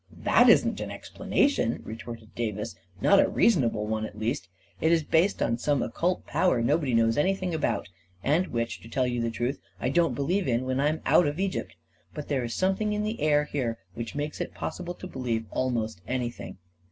That isn't an explanation," retorted Davis ;" not a reasonable one, at least. It is based on some oc cult power nobody knows anything about — and which, to tell you the truth, I don't believe in when I'm out of Egypt But there's something in the air 4i8 A KING IN BABYLON here which makes it possible to believe almost any thing."